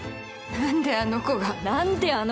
何であの子が！